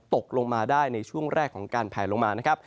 ตกลงมาได้ในช่วงแรกของการแผลลงมานะครับ